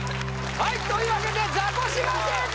はいというわけでザコシが正解！